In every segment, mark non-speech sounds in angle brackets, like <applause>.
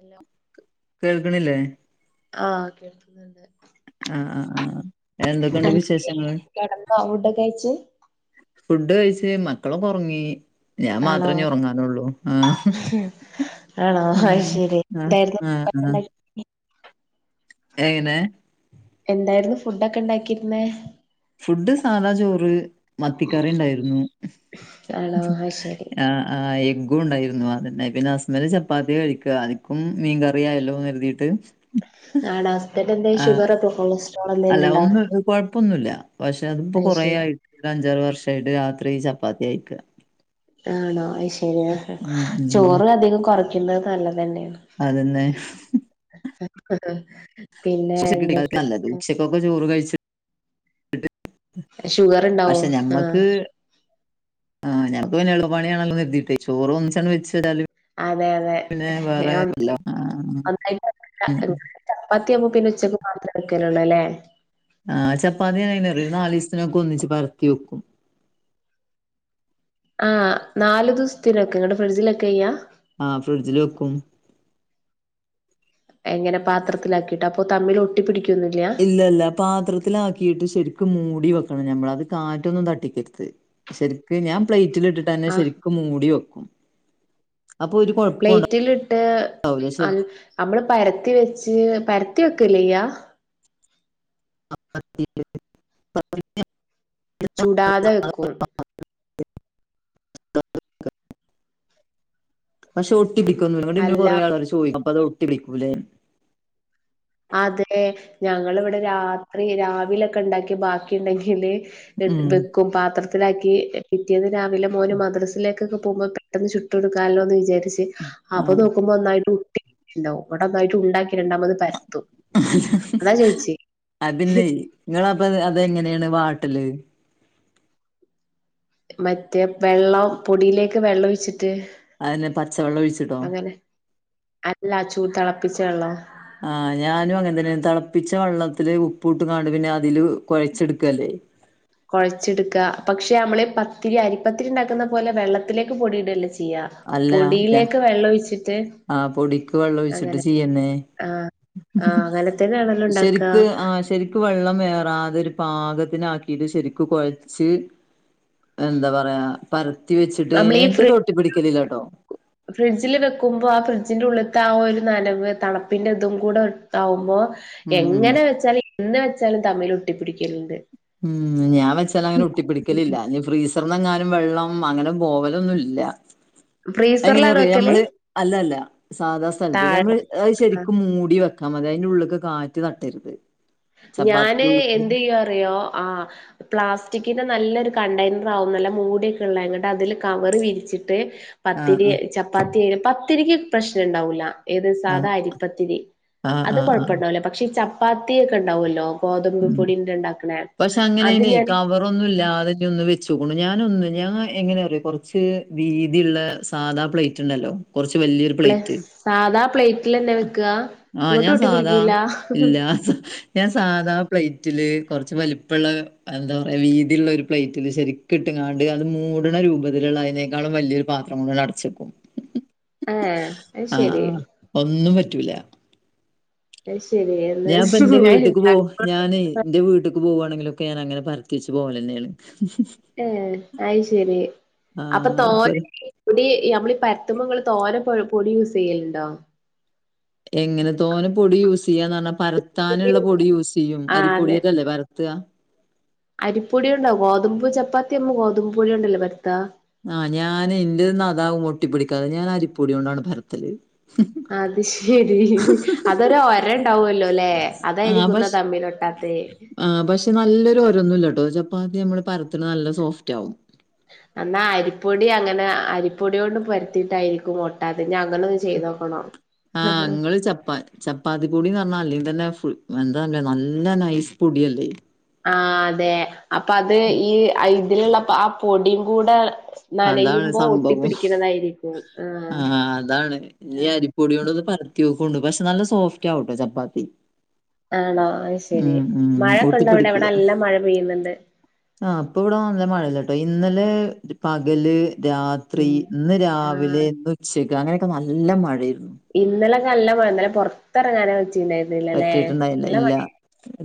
എല്ലോ കേൾക്ക്ണില്ലേ ആഹ് കേൾക്കുന്നുണ്ട് ആഹ് ആഹ് ആ ഹ്എന്തൊക്കെയുണ്ട് വിശേഷങ്ങള് കെടന്നോ ഫുഡൊക്കെ കഴിച്ച് ഫുഡ് കഴിച്ച് മക്കളൊക്കെ ഒറങ്ങി ഞാൻ ആണോ മാത്രിനി ഒറങ്ങാനുള്ളൂ ആ ഹ് ആണോ ഉം അത് ശരി ആഹ് എന്തായിരുന്നു ഹാ ഫുഡൊക്കെ ഹാ ഉണ്ടാക്കി ഏങ്ങനെ എന്തായിരുന്നു ഫുഡൊക്കെ ഇണ്ടാക്കിയിരുന്നേ ഫുഡ് സാധാ ചോറ് മത്തിക്കറിയിണ്ടായിരുന്നു ആണോ അത് ശരി ആഹ് ആഹ് എഗ്ഗും ഉണ്ടായിരുന്നു അതന്നെ പിന്നെ ഹസ്ബന്റ് ചപ്പാത്തി കഴിക്ക അതിക്കും മീൻകറിയായല്ലോന്ന് കരുതിയിട്ട് ആടാ ഹസ്ബന്റെന്തെ ആഹ് ഷുഗറാെപ്പൊ കൊളസ് അല്ല ഒന്നും കൊഴപ്പൊന്നുല്ല പഷേ അതിപ്പോ അത് ശരി കൊറെയായി ഒര്അഞ്ചാറ് വർഷായിട്ട് രാത്രി ചപ്പാത്തിയാ കയിക്ക ആണോ അയ് ശെരിയാ ഉം ഉം ചോറ് അധികം കൊറയ്ക്കുന്ന നല്ലത് അല്ലേ അതന്നെ എത്തപ്പത് <unintelligible> നല്ലത് ഉച്ചക്കൊക്കെ ചോറ് കഴിച്ചി ട്ട് ഷുഗർ ഉണ്ടാവും പഷേ ആഹ് ഞമ്മക്ക് ആ ഞങ്ങക്ക് പിന്നെളുപ്പപണിയാണല്ലോന്നരുതീട്ടെ ചോറ് ഒന്നിച്ചട് വെച്ചതാലും അതെ അതെ പിന്നെ വേറെ കൊല്ലം ആഹ് ഉം ചപ്പാത്തിയാകുമ്പോ പിന്നെ ഉച്ചക്ക് മാത്രം വെക്കലുള്ളൂ അല്ലേ ആഹ ചപ്പാത്തിയെങ്ങനറിയ ഒര് നാല്സ്ത്തിനൊക്കെ ഒന്നിച്ച് പരത്തി വെക്കും ആ നാല് ദിസ്ത്തിനൊക്കെ എന്നിട്ട് ഫ്രിഡ്ജിലെക്ക ചെയ്യാ ആഹ ഫ്രിഡ്ജില് വെക്കും എങ്ങനെ പാത്രത്തിലാക്കിയിട്ടപ്പൊ തമ്മില് ഒട്ടിപ്പിടിക്കൊന്നില്ല ഇല്ലല്ല പാത്രത്തിലാക്കിയിട്ട് ശെരിക്കും മൂടി വെക്കണം ഞമ്മളത് കാറ്റൊന്നും തട്ടിക്കര്ത് ശരിക്ക് ഞാൻ പ്ലേറ്റിലിട്ടിട്ടന്നെ ആഹ് ശരിക്ക് മൂടി വെക്കും അപ്പൊ ഒരു കൊഴ പ്ലേറ്റിലിട്ട് നമ്മള് പരത്തി വെച്ച് പരത്തി വെക്കല്ലേയ്യ <inaudible> ചുടാതെ വെക്കും <unintelligible> പക്ഷെ ഒട്ടിപ്പിക്കുന്നു നിട്ട ഇന്ന അല്ല കൊറേ ആൾ ചോദിക്ക അപ്പ അത് ഒട്ടിപ്പിക്കൂല്ലേ അതെ ഞങ്ങള്വ്ടെ രാത്രി രാവിലൊക്കെണ്ടാക്കി ബാക്കിണ്ടെങ്കില് ഉം വെക്കും പാത്രത്തിലാക്കി പിറ്റിയേന്ന് രാവിലെ മോന് മദ്രസിലെ ക്കൊക്കെ പോകുമ്പൊ പെട്ടന്ന് ചുട്ടൊടുക്കാല്ലോന്ന് വിചാരിച്ച് അപ്പ നോക്കുമ്പോ ന്നായിട്ട് ണ്ടാവും ങ്ങടൊന്നായിട്ട് ഉണ്ടാക്കി രണ്ടാമത് പരത്തും അതാ ചോയിച്ചേ അതില്ലേ ങ്ങളപ്പ അതെങ്ങനേണ് വാട്ടല് മറ്റേ വെള്ളം പൊടിയിലേക്ക് വെള്ളം ഒഴിച്ചിട്ട് അതന്നെ പച്ചവെള്ളം ഒഴിച്ചിടോ അങ്ങനെ അല്ല ചൂട് തിളപ്പിച്ച വെള്ളം ആഹ ഞാനും അങ്ങനെ തന്നെ തിളപ്പിച്ച വെള്ളത്തില് ഉപ്പൂട്ട്ങ്ങാണ്ട് പിന്നെ അതില് കുഴച്ചെടുക്കല്ലേ കുഴച്ചെടുക്ക പക്ഷെ നമ്മള് പത്തിരി അരിപ്പത്തിരിണ്ടാക്കുന്ന പോലെ വെള്ളത്തിലേക്ക് പൊടിയ്ടല്ല ചെയ്യാ പൊടിയിലേക് വെള്ളം ഒഴിച്ചിട്ട് ആഹ പൊടിക്ക് വെള്ളം ഒഴിച്ചിട്ട് അങ്ങനെ ചെയ്യന്നേ ആഹ് ആഹ് അങ്ങനെ തന്നെയാണല്ലോ ഉണ്ടാക്ക ശരിക്ക് ആഹ ശരിക് വെള്ളം വേറാതെരു പാകത്തിനാക്കീട്ട് ശരിക്ക് കുഴച്ച് എന്താ പറയാ പരത്തി വെച്ചിട്ട് നമ്മളീ ഫ്രി എന്റെതൊട്ടി പിടിക്കലില്ലട്ടോ ഫ്രിഡ്ജില് വെക്കുമ്പോ ആ ഫ്രിഡ്ജിന്റെ ഉള്ളിത്തെ ആഹ ഒരു നനവ് തണപ്പിന്റെതും കൂടെ ആവുമ്പോ ഉം ഉം എങ്ങനെ വെച്ചാലും എന്ന് വെച്ചാലും തമ്മിൽ ഒട്ടിപ്പിടിക്കലുണ്ട് ഉം ഞാൻ വെച്ചാലങ്ങനെ ഒട്ടപ്പിടിക്കലില്ല ഞ്ഞ് ഫ്രീസ് സർന്നെങ്ങാനും വെള്ളം അങ്ങനെ പോവലൊന്നുല്ല ഫ്രീസറിലാണ് എങ്ങനെറിയ വെക്കല് നമ്മള് അല്ലല്ല സാധാ സ്ഥലത്ത് താഴെ ഞമ്മ ആഹ് ശരിക്കും മൂടി വെ ക്കാ മതി അയ്ന്റെ ഉള്ളിക് കാറ്റ് തട്ടരുത് ചപ്പാത്തിന്റെ ഞാന് ഉള്ള്ക്ക് എന്ത്യ്യ അറിയോ ആഹ പ്ലാസ്റ്റിക്കിന്റെ നല്ലൊരു കണ്ടെയ്നറാ ഉം നല്ല മൂടിയൊക്കെള്ള ങ്ങട്ട് അതില് കവറ് വിരിച്ചിട്ട് ആഹ് പത്തിരി ആഹ് ചപ്പാത്തിയ പത്തിരിക്ക് പ്രശ്നണ്ടാവൂല ഏത് സാധ ആഹ് അരിപ്പത്തിരി ആഹ് അത് ആഹ് ആഹ് കുഴപ്പണ്ടാവൂലേ പക്ഷേ ഈ ചപ്പാത്തി ഒക്കെ ഉണ്ടാവല്ലോ ഗോതമ്പ് ഉം പൊടിണ്ട് ണ്ടാക്കണേ അത് ഞാന് ഒന്നല്ലാതെഞ്ഞ് ഒന്ന് വെച്ചോകൊണ്ടു ഞാനൊന്ന് ഞാ എങ്ങന അറിയോ കുറച്ച് വീതിള്ള സാധാ പ്ലേറ്റ്ണ്ടല്ലോ കുറച്ച് വല്ല്യൊരു പ്ല പ്ലേറ്റ് സാധാ പ്ലേറ്റിലന്നെ വെക്ക ആഹ ഞാൻ സാധാ ല്ലാസ ഞാൻ സാധാ പ്ലേറ്റില് കുറച്ച് വലിപ്പള്ള എന്താ പറയാ വീതിള്ള ഒരു പ്ലേറ്റില് ശരി കിട്ടങ്ങാണ്ട് അത് മൂടണ രൂപത്തിലുള്ളതിനേക്കാളും വലിയൊരു പാത്രം കൊണ്ടട് അടച്ചക്കും ഏഹ് അത് ആഹ ശെരി ഒന്നും പറ്റൂല അയ് ശരി എഹ ഞാപ്പന്റെ വീട്ട്ക്ക് പോ ഞൻ ആ എന്റെ വീട്ടക്ക് പോകുവാണെങ്കിലൊക്കെ ഞാൻ അങ്ങനെ പര്ത്തി വെച്ച് പോലന്നെയാണ് ഏഹ അയി ശരി അപ്പൊ തോനെ പൊടി നമ്മള ഈ പരുത്തുമങ്ങൾ തോനെ പൊടി യൂസ് ചെയ്യലുണ്ടോ എങ്ങനെ തോന്നെ പൊടി യൂസ് ചെയ്യാന്ന് പറഞ്ഞാൽ പരത്താനുള്ള പൊടി യൂസ് ചെയ്യും ആഹ് അരിപ്പൊടിയട്ടല്ലേ പര ത്ത് ആ അരിപ്പൊട്യാേണ്ടാ ഗോതമ്പ് ചപ്പാത്തി മ്മ ഗോതമ്പ് പൊട്യോണ്ടല്ലെ പര്ത്താ ആഹ് ഞാനെ ഇന്റെത് ന്നാ അതാവും ഒട്ടി പിടിക്കാതെ ഞാൻ അരിപ്പൊട്യോണ്ടാണ് പരത്തല് അത് ശെരി അതൊരു ഒരണ്ടാവാെല്ലോലേ ആഹ് അതായ്രിക്കുംന്നാ പഷ് തമ്മിലൊട്ടാത്തെ ആഹ് പക്ഷെ നല്ലൊര് ഒരാെന്നുല്ലട്ടോ ചപ്പാത്തി നമ്മള് പരത്ത്ണെ നല്ല സോഫ്റ്റാവും എന്നാ അരിപ്പൊടി അങ്ങെനെ അരിപ്പൊട്യോണ്ട് പര്ത്തീട്ടായിരിക്കും ഒട്ടാതെ ഞ്ഞ അങ്ങനൊന്ന് ചെയ്തോ ക്കെണം ആഹ് ഇങ്ങള് ചപ്പാത് ചപ്പാത്തി പൊടീന്നർഞ്ഞാ അല്ലെങ്കി തന്നെ ഫുൾ എന്താ നല്ല നൈസ് പൊടിയല്ലേ ആഹ് അതെ അപ്പൊ അത് ആ ഈ അയ് ഇതില്ള്ള ആ പൊടിയും കൂടെ അതാണ് നനയുമ്പോ സംഭവം. ഒട്ടിപ്പിടിക്ക്ണതായിരിക്കും ആഹ് പൊട്യോണ്ടാെന്ന് പരത്ത്യോക്കാേണ്ടു പക്ഷെ നല്ല സോഫ്റ്റാവുട്ടാെ ചപ്പാത്തി ആണോ അത്ശെരി ഉം ഉം. മഴക്കെണ്ടോ അവിടെ ഇവിടെ നല്ല മഴ പെയ്യ്ന്ന്ണ്ട് ആഹ് പ്പ വ്ടെ നല്ല മഴല്ലട്ടോ ഇന്നലെ പകല് രാ ത്രി ഉം ഇന്ന് രാവിലെ ആഹ് ഇന്നുച്ചെക്ക് അങ്ങെനെക്കെ നല്ല മഴേയ്ര്ന്നു ഇന്നലെക്കെ നല്ല മഴ ഇന്നലെ പൊർത്തെർങ്ങാനെ പറ്റിണ്ടായ്ര് പറ്റീട്ട്ണ്ടായില്ല ഇല്ല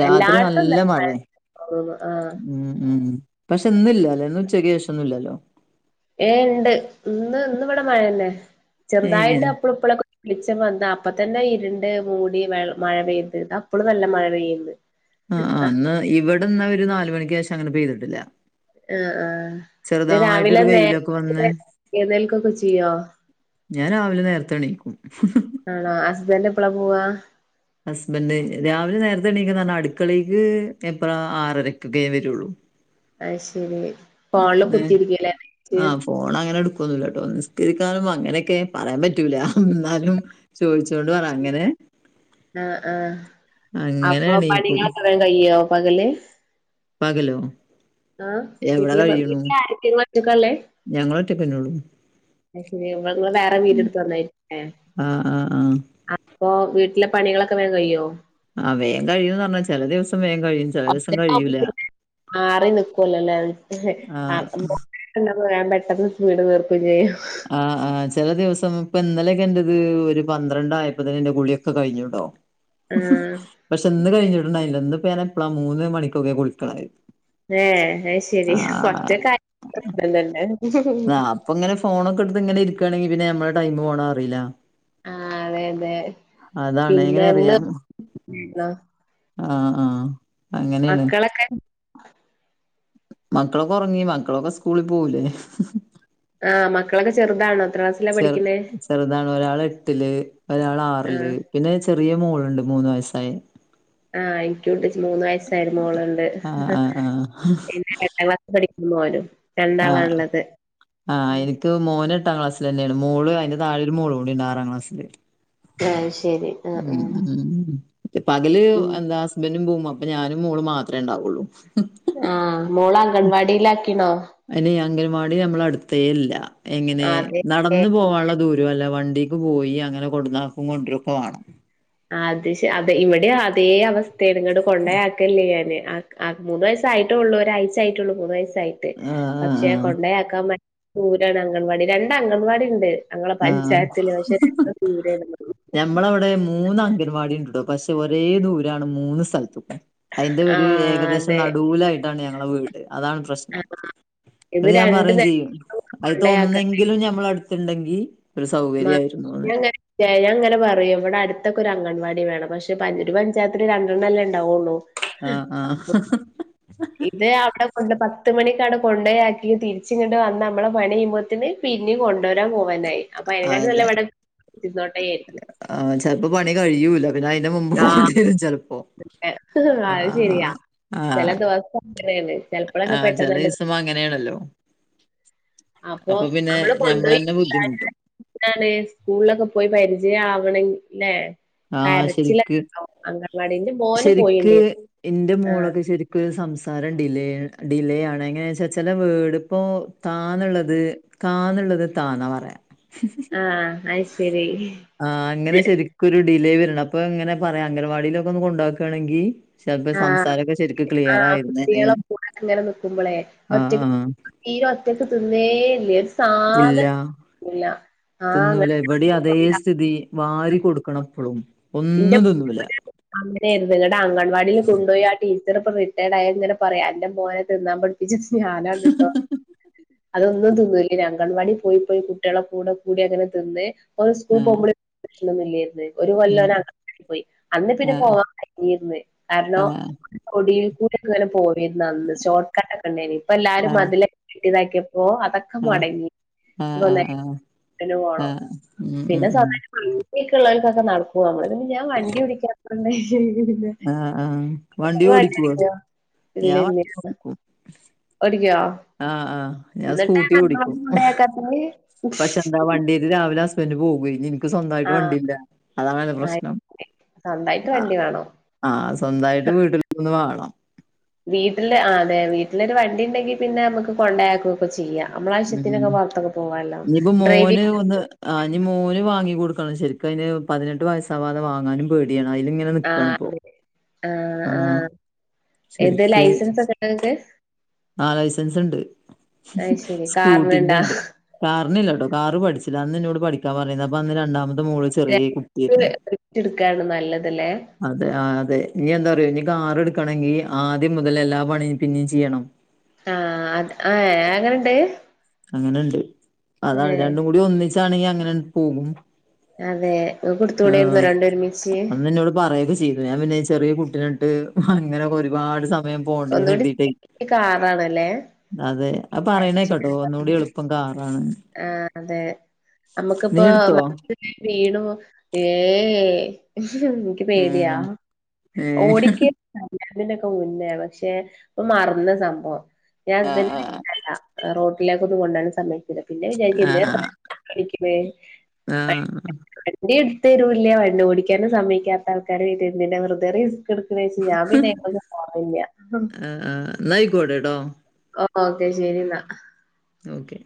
രാത്രി എല്ലായിടത്തും നല്ല ഇന്നലെ മഴ മഴേ തോന്നുന്നു ആഹ് ഉം ഉം പക്ഷെ ന്നില്ലാലേ ഇന്ന് ഉച്ചക്ക് ശേഷാെന്നുംല്ലല്ലോ ഏഹ് ഇണ്ട് ഇന്ന് ഇന്ന് ഇവടെ മഴെന്നെ ഏഹ്. ചെർതായിട്ട് അപ്പളും ഇപ്പളൊക്കെ വെളിച്ചം വന്ന അപ്പ തന്നെ ഇര്ണ്ട് മൂടി വെൾ മഴ പെയ്ത് അപ്പളും നല്ല മഴ പെയ്യ്ണ്ട് ആഹ് ആഹ് ഇന്നാ ഇവിടെന്നാ ഒര് നാല് മണിക്കേശം അങ്ങെനെ പെയ്ത്ട്ട്ല്ലാ ആഹ് ആഹ് ത് രാവിലെ വെയിലൊക്കെ വന്ന് നേര്ത്തെ എഴ്ന്നേൽക്കൊക്കെ ചെയ്യോ ഞാൻ രാവിലെ നേരെത്തെ എണീക്കും ആണോ ഹസ്ബെൻ്റ് എപ്പെളാ പോവാ ഹസ്ബന്റ് രാവിലെ നേരത്തെ എണീക്കും ന്നർഞ്ഞാ അട്ക്കളീക്ക് എപ്പളാ ആറരെക്കൊക്കേ ഞാ വെരാെള്ളു അത് ശെരി ആഹ് ഫോ ഫോണങ്ങെനെ എട്ക്കാെന്നുല്ലട്ടോ നിസ്കരിക്കാനും അങ്ങനെയെക്കെ പറയാം പറ്റൂല ന്നാലും ചോദിച്ചോണ്ട് പറ അങ്ങെനെ ആഹ് ആഹ് അങ്ങെനെണീക്കും ബേം കയ്യോ പകല് പകലോ ആഹ് വീട്ടില് വീട്ടിലാരെക്കെ ഇങ്ങളൊറ്റക്കാള്ളെ ഞങ്ങളൊറ്റെക്കെന്നെ ഒള്ളു അത് ശെരി ഇങ്ങള് ങ്ങള് വേറെ വീട് ട്ത്ത് വന്നായ്ര്ക്കുംലേ ആഹ് ആഹ് ആഹ് അപ്പൊ വീട്ടിലെ പണികളൊക്കെ വേം കയ്യോ ആഹ് വേം കഴിയോന്നർഞ്ഞാ ചെലെ ദിവസം വേം കഴിയും ചെല ദിവസം കഴിയൂല. <unintelligible> ആറിനിക്കല്ലൊലേ ആഹ് ആക്കം പോലെ <unintelligible> വേം പെട്ടെന്ന് വീട് <unintelligible> ആഹ് ആഹ് ച് ചെലെ ദിവസം പ്പം ഇന്നലെക്കെന്റെത് ഒരു പന്ത്രണ്ടായപ്പത്ത്‌ന് ഇന്റെ കുള്യൊക്കെ കഴിഞ്ഞ്ണ്‌ട്ടോ ആഹ് പക്ഷെ ഇന്ന് കഴിഞ്ഞിട്ട്ണ്ടായില്ല ഇന്ന്പ്പ ഞാനെപ്പെളാ മൂന്ന് മണിക്കൊക്കെ കുളിക്ക്ണത് ഏഹ് അത്ശെരി ഒറ്റക്കായ ല്ലെല്ലേ പ്പൊങ്ങെനെ ഫോണൊക്കെട്ത്ത് ങ്ങെനെ ഇരിക്കാണെങ്കി പിന്നെ ഞമ്മളെ ടൈമ് പോണെ അറീലാ ആഹ് അതെ അതെ അതാണ് എങ്ങനെ പിന്നെ ന്ന് ആഹ് ആഹ് ആഹ് മക്കളൊക്കെ മക്കളൊക്കെ ഒറെങ്ങി മക്കളൊക്കെ സ്കൂളി പോവൂലേ ആഹ് മക്കളൊക്കെ ചെറ്താണോ ചെ ചെറ്താണ് ഒരാള് എട്ട്ല് ഒരാള് ആറ്ല് ആഹ് പിന്നെ ചെറിയ മോള്ണ്ട് മൂന്ന് വയസ്സായെ ആഹ് എനിക്കുംഉണ്ട് മൂന്ന് വയസ്സായരു മോളുണ്ട് ആ ആ ആ ന്നെ എട്ടാം ക്ലാസ് പടി മോനും രണ്ടാളാള്ളത് ത് മോന് എട്ടാം ക്ലാസിലെന്നെയാണ് മോള് അയ്ന്റെ താഴൊരു മോള് കൂടിണ്ട് ആറാംക്ലസ്സില് അത് ശരി ആഹ് ഉം ആഹ് ഉം പകല് ഉം എന്താ ഹസ്ബന്റും പോവും അപ്പൊ ഞാനും മോള് മാത്രേ ണ്ടാവുള്ളൂ ആഹ് മോള അംഗൺവാടിയിലാക്കിണോ അയ്ന് ഇ അംഗൽവാടി നമ്മള അടുത്തേല്ല എങ്ങനെ അതെ നട ന്ന് പോവാള്ള ദൂരൊല്ല വണ്ടിക്ക് പോയി അങ്ങനെ കൊടുന്നാക്കും കൊണ്ട്രോക്കെ വാണം അത് ശ അതെ ഇവിടെ അതേ അവസ്തേൻ ങ്ങട് കൊണ്ടയാക്കല്ല്യ ഞാന് ആ ആഹ് മൂന്ന് വയസ്സായിട്ടൊള്ളൂ ഒരാഴ്ച്ച ആയിട്ടുള്ളൂ മൂന്നയസായിട്ട് ആഹ് പക്ഷേ ആഹ് കൊണ്ടയാക്കാൻപ ദൂരാണ് അംഗൻവാടി രണ്ട് അംഗൻവാടിണ്ട് ഞങ്ങളെ ആഹ് ആഹ്. പഞ്ചായത്തില് പക്ഷെ ദൂരെന്ള്ളു ഞമ്മളവിടെ മൂന്ന് അംഗൻവാടി ണ്ട്ട്ടോ പക്ഷെ ഒരേ ദൂരാണ് മൂന്ന് സ്ഥലതു അയ്ന്റെ ഒരു ആഹ് ഏകദേശം അതെ നടുലായിട്ടാണ് ഞങ്ങള വീട് അതാണ് പ്രശ്ന ആഹ് ഇത് ഇന്നിട് ഞാൻ രണ്ട് പറിം ചെയ്യും നേരത്തേക്കും അയ് ത്തെ കൊണ്ടയാക്കണ്ട ഒന്നെങ്കിലും ഞമ്മൾ അടുത്ത് ണ്ടെങ്കി മ ഞാങ്ങ ഞാ ങ്ങനെ പറയും ഇവിടെ അടുത്തൊക്കെ ഒരു അംഗൻവാടി വേണം പക്ഷെ പഞ് ഒരു പഞ്ചായത്തിൽ രണ്ടെണ്ണല്ലേ ണ്ടാവുള്ളൂ ഹ് ആഹ് ആഹ്. ഇത് അവിടെ കൊണ്ട് പത്ത് മണിക്ക് അവിടെ കൊണ്ടയാക്കി തിരിചിങ്ങട് വന്ന മ്മളെ പണിയ്യുമ്പോത്തിന് പിന്നി കൊണ്ടുരാൻ പോവാനായി അപ്പൊ അയ്നെകാട്ട് അതെ നല്ല ഇവിടെ നിനോട്ടെ ചാരിക്കു ആഹ് ചെലപ്പോ പണി കഴിയുല്ല പിന്ന അതിന്റെ മുമ്പ് പോണ്ടേറും ചെലപ്പോ എടക്ക് അഹ് ശരിയാ ആഹ് ചില ആഹ് ദിവസങ്ങനേണ് ആഹ് ചെലേസം അങ്ങനെണല്ലോ അപ്പൊ അവള് ഞമ്മളന്നെ കൊണ്ടോയിട്ടാല് ബുദ്ധിമുട്ടും നാണ് സ്കൂളിലൊക്കെ പോയി പരിചയം ആവണെങ്കില്ലേ ആഹ് ശരിക്ക് കരച്ചിലക്കണ്ടാവും അങ്ങൻവാടിന്റെ മോന് പോയിണ്ടെര്ന്നു ആഹ് പ് സംസാരം ഡിലെ ഡിലേ ആണ് എങ്ങനെ ച്ച ചലെ വേട്പ്പോ താ ന്ന്ള്ളത് കാന്നുള്ളത് താന്നാ പറയാ ആഹ് അത് ശരി ആഹ് അങ്ങനെ ശരി ക്കൊരു ഡിലേ വരണ അപ്പ ങ്ങനെ പറയാ അംഗൻവാടിലൊക്കൊന്ന് കൊണ്ടാക്കാണെങ്കി ചെൽപ്പ ആഹ് സംസാരൊക്കെ ശരിക്ക് ക്ലിയർ ആഹ് കുട്ടികളെ ആയിര്ന്നേനെന്ന് കൂടെ ആഹ് ആഹ് തീരൊറ്റക്ക് തിന്നേല്ലേ ഒരു സാധനം ഇല്ല ല്ല തിന്നൂല ഇവടി അതേ സ്ഥിതി വാരി കൊടുക്കണപ്പളും ഒന്നും തിന്നൂല അങ്ങനെരുന്നു ങ്ങടെ അംഗൻവാടിൽ കൊണ്ടോയി ആ ടീച്ചർ ഇപ്പൊ റിട്ടേഡ് ആയ ങ്ങനെ പറയും അന്റെ മോനെ തിന്നാൻ പടി വിജിത്ത് ഞാനാണ് ട്ടോ അതൊന്നും തിന്നൂലഞ് അംഗൺവാടി പോയി പോയി കുട്ടിളെ കൂടെ കൂടി അങ്ങനെ തിന്ന് ഓന് സ്കൂളിൽ ആഹ് പോകുമ്പള് പ്രശ്നൊന്നുല്ലായിരുന്നു ഒരു കൊല്ല ഉം ഓനഅങ്ങവാടി പോയി അന്ന് പിന്നെ ആഹ് പോവാാൻ കഴിഞ്ഞിന്ന് കാരണോ ആഹ് ഒടിയിൽ കൂടി ഒക്കെ ഇങ്ങനെ പോവേയിരുന്ന് അന്ന് ഷോർട്ട് കട്ട് ഒക്കെ ഉണ്ടായിന് ഇപ്പ എല്ലാരും ആഹ് മതില കെട്ടിതാക്കിയപ്പോ അതൊക് ക്കെ മൊടങ്ങി ആഹ് ഇപ്പൊ ആഹ് ആഹ് ആഹ് <unintelligible> പോണം ആഹ് ഉം ഉം പിന്നെ ഉം <unintelligible> വണ്ടിക്കെ ള്ളോൽക്കൊക്കെ നടക്കും നമ്മള് പിന്നെ ഞാൻ വണ്ടി ഓടിക്കാത്തോണ്ട് ആഹ് ആഹ് വണ്ടി ഇങ്ങള് ഓടിക്കൊ ഓടിക്കോ ഇല്ല ഞാൻ ഇല്ല വണ്ടി ഓടി ഓടിക്കോ ആഹ് ആഹ് ഞാൻ സ്കൂട്ടി എന്നിട്ടാണ് ഓടിക്കും അംഗൻവാടി കൊണ്ടാക്കാത്തത് പക്ഷെ എന്താ വണ്ടി ഇത് രാവിലെ ഹസ്ബന്റ് പോവേയ് ഇൻക്ക് സ്വന്തയിട്ട് വണ്ടി ആഹ് ഇല്ല അതാണ് ള്ള പ്രശ്നം സ്വന്തായിട്ട് വണ്ടി വേണം ആഹ് സ്വന്തായിട്ട് വീട്ടിൽ ന്ന് വാണം വീട്ടില് അതെ വീട്ടിലരു വണ്ടി ണ്ടെങ്കി പിന്നെ നമുക്ക് കൊണ്ടയാക്കൊക്കെ ചെയ്യാ നമ്മളവശ്യത്തിനൊക്കെ ഉം പൊറത്തൊക്കെ പോവാല്ലോ ഇനിയിപ്പോ ഡ്രൈവി മോന് ഒന്ന് ആഹ് ഇനി മോന് വാങ്ങിക്കൊടുക്കണം ശരിക്ക് അയ് ന് പതിനെട്ട് വയസാവാതെ വാങ്ങാനും പേടിയാണ് അയില് ആ നിക്കാണ് പോ അതെ ആഹ് എന്ത് ലൈസൻസ് ഒക്കെണ്ട ങ്ങക്ക് ആഹ് ലൈസൻസ്ണ്ട് അത് ശരി കാറിനുണ്ടാ സ്കൂട്ടിന്റെണ്ട് കാറിനില്ലട്ടോ കാറ് പഠിച്ചില്ല അന്ന് ന്നോട് പഠിക്കാൻ പറഞ്ഞീന്ന് അപ്പന്ന് രണ്ടാമത്തെ മോള് ചെറിയ കുട്ടിയായിരുന്നു <unintelligible> ട്ക്കാണ് നല്ലത ല്ലേ അതെ ആ അതെ നി എന്താ അറിയോ നീ കാറെടുക്കാണെങ്കി ആദ്യം മുതലേ എല്ലാ പണിയും പിന്നിയും ചെയ്യണം ആഹ് അത് ആഹ് അങ്ങനുണ്ട് അങ്ങനുണ്ട് അതാണ് രണ്ടും കൂടി ഒന്നിച്ചാണെങ്കി അങ്ങനങ്ങ് പോകും അതെ ഇങ്ങക്ക് എടുത്തൂടായിരുന്നോ ആഹ് രണ്ടും ഒരുമിച്ച് അന്നെന്നോട് പറയൊക്കെ ചെയ് ത് ഞാൻ പിന്നെ ഈ ചെറിയ കുട്ടീനൊണ്ട് അങ്ങനെയൊക്കെ ഒരുപാട് സ സമയം പോണ്ടേന്ന് ഒന്നുകൂടി എത്തീട്ടേ സേഫ്റ്റി കാറാണല്ലേ അതെ അ പറയണേക്കാട്ടോ ഒന്നൂടി എളുപ്പം കാറാണ് ആഹ് അതെ നീ നമ്മുക്കിപ്പോ എടുത്തോ? മറ്റ് വീണുവോ ഏഹ് ഹ് ഹ് എനിക്ക് പേടിയാ ഉം ഏഹ് ഓടിക്കെ കല്ല്യാണത്തിനൊക്കെ മുമ്പെയ പക്ഷെ ഇപ്പം മറന്ന് സംഭവം ഞാൻ ആഹ് ഹസ്ബൻ്റിനെ ആഹ് ക്കല്ല റോട്ടിലേക്ക് ഒന്നും കൊണ്ടാനും സമ്മയി പിന്നെ വിചാരിക്കും എന്തിന ആഹ് <unintelligible> പഠിക്കുന്നേ <unintelligible> ആഹ് ആഹ് വണ്ടി എടുത്ത് തരൂല്ല വണ്ടി ഓടിക്കാനും സമ്മയ്ക്കാത്ത ആൾക്കാരെ വീട്ടി എന്തിന വെറുതെ റിസ് സ്ക് എടുക്കണേച്ച് ഞാൻ പിന്നെ എങ്ങോട്ടും പോവാറില്ല ആഹ് എന്നാ ആയ്ക്കോട്ട്ട്ടോ ഓ ഓക്കെ ശെരി എന്നാ ഓക്കെ